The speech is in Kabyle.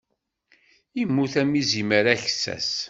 Immut am izimer aksas.